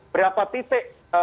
berapa titik mereka mengajukan